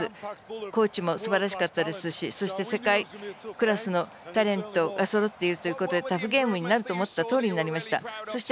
コーチもすばらしかったですし世界クラスのタレントがそろっているということでタフゲームになると思ったとおりになりました。